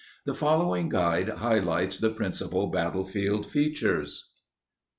The following guide highlights the principal bat tlefield features.